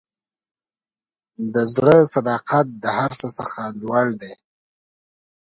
د زړه صداقت د هر څه څخه لوړ دی.